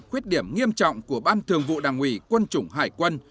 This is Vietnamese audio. khuyết điểm nghiêm trọng của ban thường vụ đảng ủy quân chủng hải quân